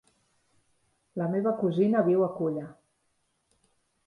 La meva cosina viu a Culla.